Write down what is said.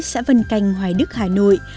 xã vân canh hoài đức hà nội